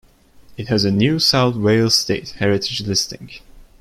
It has a New South Wales State Heritage listing.